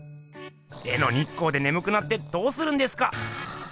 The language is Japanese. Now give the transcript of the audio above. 絵の日光でねむくなってどうするんですか！